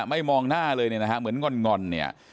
ไม่มองหน้าเลยนะฮะเหมือนงอนเนี่ย